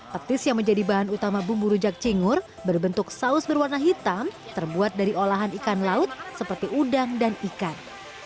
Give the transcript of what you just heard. petis yang menjadi bahan utama bumbu rujak cingur berbentuk saus berwarna hitam terbuat dari olahan ikan laut seperti udang dan ikan